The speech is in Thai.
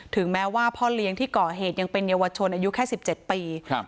แม้ว่าพ่อเลี้ยงที่ก่อเหตุยังเป็นเยาวชนอายุแค่สิบเจ็ดปีครับ